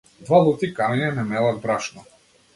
Два лути камења не мелат брашно.